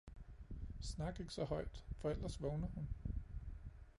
Snak ikke så højt, for ellers vågner hun!